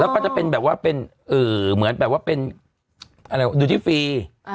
แล้วก็จะเป็นแบบว่าเป็นเหมือนแบบว่าเป็นอะไรดูที่ฟรี